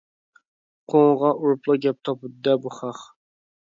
قوڭىغا ئۇرۇپلا گەپ تاپىدۇ دە بۇ خەق!